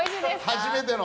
初めての。